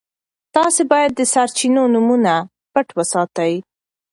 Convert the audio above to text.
تاسي باید د سرچینو نومونه پټ وساتئ.